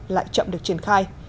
lại chậm được triển khai